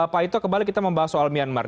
pak ito kembali kita membahas soal myanmar